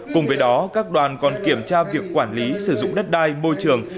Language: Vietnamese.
cùng với đó các đoàn còn kiểm tra việc quản lý sử dụng đất đai môi trường